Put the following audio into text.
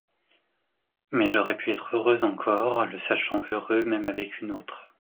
Mais j'aurais pu être heureuse encore, le sachant heureux même avec une autre.